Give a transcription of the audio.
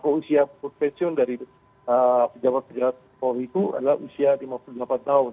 oh usia pensiun dari pejabat pejabat polri itu adalah usia lima puluh delapan tahun